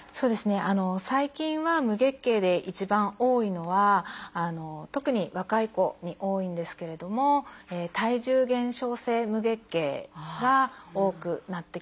最近は無月経で一番多いのは特に若い子に多いんですけれども体重減少性無月経が多くなってきます。